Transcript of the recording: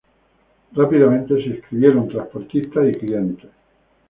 Rápidamente se inscribieron transportistas y clientes.